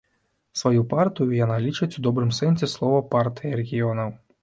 Сваю партыю яна лічыць у добрым сэнсе слова партыяй рэгіёнаў.